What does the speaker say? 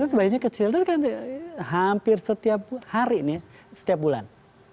sebaiknya kecil itu kan hampir setiap hari nih setiap bulan